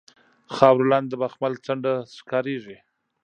خاورو لاندې د بخمل څنډه ښکاریږي